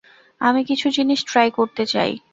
আমি কিছু জিনিস ট্রাই করতে চাই।